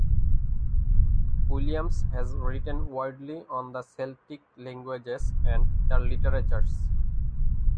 Williams has written widely on the Celtic languages and their literatures.